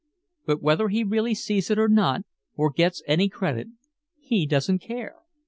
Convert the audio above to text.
But whether he really sees it or not, or gets any credit, he doesn't care.